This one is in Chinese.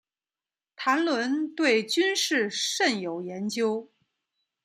谭纶对军事甚有研究。